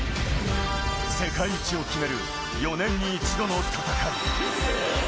世界一を決める４年に一度の戦い。